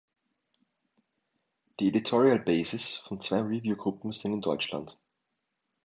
Die Editorial Bases von zwei Review-Gruppen sind in Deutschland.